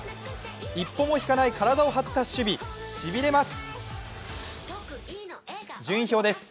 一歩も引かない体を張った守備しびれます。